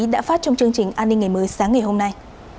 đã phát trong chương trình an ninh ngày mới sáng ngày hôm nay